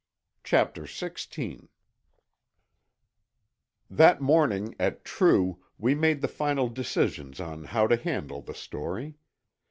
CHAPTER XVI That morning, at True, we made the final decisions on how to handle the story.